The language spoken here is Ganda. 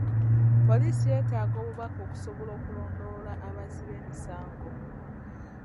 Poliisi yeetaaga obubaka okusobola okulondoola abazzi b'emisango.